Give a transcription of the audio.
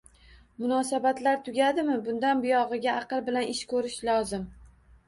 Munosabatlar tugadimi, bundan buyog`iga aql bilan ish ko`rish lozim